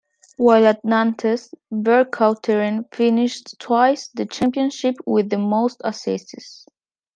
While at Nantes, Vercauteren finished twice the championship with the most assists.